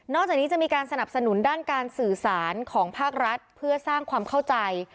จากนี้จะมีการสนับสนุนด้านการสื่อสารของภาครัฐเพื่อสร้างความเข้าใจ